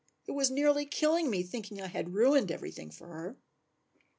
It was nearly killing me thinking I had ruined everything for her."